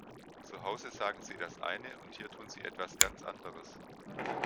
Zu Hause sagen sie das eine, und hier tun sie etwas ganz anderes.